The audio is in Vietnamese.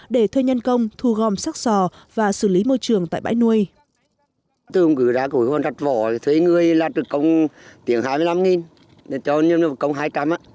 để thuê nhân công thu gom sắc sò và xử lý môi trường tại bãi nuôi